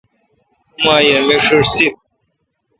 اوما یہ می ݭݭ سپ۔